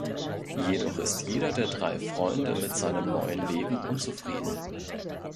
Jedoch ist jeder der drei Freunde mit seinem neuen Leben unzufrieden.